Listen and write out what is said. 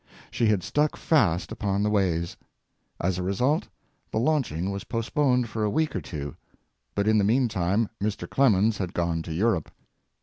She had stuck fast upon the ways. As a result, the launching was postponed for a week or two; but in the mean time Mr. Clemens had gone to Europe.